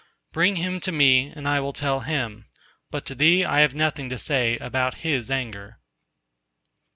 Bring him to me, and I will tell him. But to thee I have nothing to say about his anger.